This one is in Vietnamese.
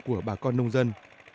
của bà con nông dân